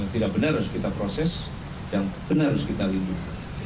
tidak benar harus kita proses yang benar harus kita lindungi